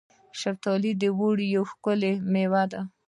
شفتالو د اوړي یوه ښکلې میوه ده.